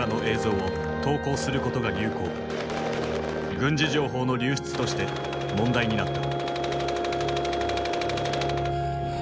軍事情報の流出として問題になった。